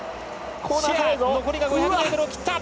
シェア、残りが５００ｍを切った。